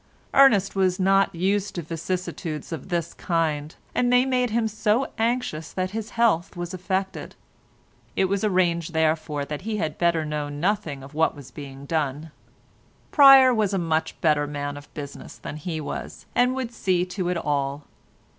Ernest was not used to vicissitudes of this kind, and they made him so anxious that his health was affected. It was arranged therefore that he had better know nothing of what was being done. Pryer was a much better man of business than he was, and would see to it all.